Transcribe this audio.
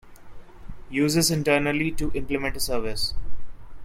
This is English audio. Use this internally to implement a service.